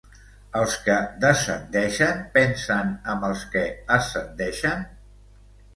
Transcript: Els que descendeixen pensen amb els que ascendeixen?